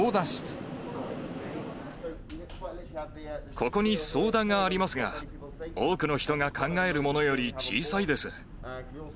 ここに操だがありますが、多くの人が考えるものより小さいです。